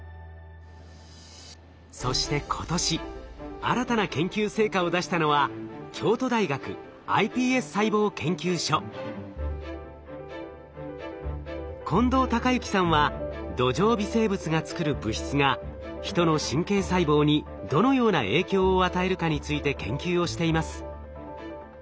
そして今年新たな研究成果を出したのは近藤孝之さんは土壌微生物が作る物質が人の神経細胞にどのような影響を与えるかについて研究をしています。